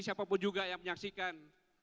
siapapun juga yang menyaksikan